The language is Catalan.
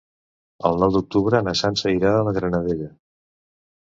El nou d'octubre na Sança irà a la Granadella.